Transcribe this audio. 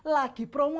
lagi promo lebaran